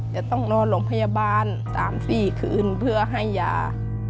จะต้องนอนลงพยาบาล๓๔คืนเพื่อให้ปลอดภัย